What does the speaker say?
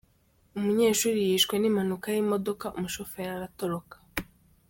Umunyeshuri yishwe n’impanuka y’imodoka umushoferi aratoroka